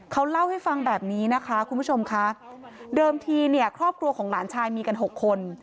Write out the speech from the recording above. เขาเล่าให้ฟังแบบนี้นะคะคุณผู้ชมค่ะเดิมทีเนี่ยครอบครัวของหลานชายมีกันหกคน